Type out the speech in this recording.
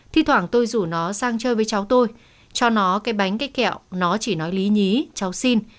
thi thoảng tôi rủ nó sang chơi với cháu tôi cho nó cái bánh cái kẹo nó chỉ nói lý nhí cháu xin